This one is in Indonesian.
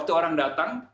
ketika orang datang